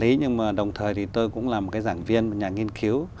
quản lý nhưng mà đồng thời tôi cũng là một giảng viên một nhà nghiên cứu